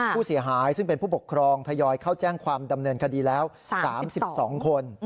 ผู้เสียหายซึ่งเป็นผู้ปกครองทยอยเข้าแจ้งความดำเนินคดีแล้ว๓๒คน